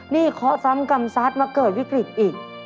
นี่เคาะซ้ำกรรมซัดมาเกิดวิกฤตอีก